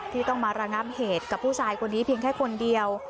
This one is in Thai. ที่ต้องมาระงับเหตุกับผู้ชายคนนี้เพียงแค่คนเดียว